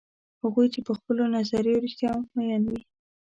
هغوی چې په خپلو نظریو رښتیا میین وي.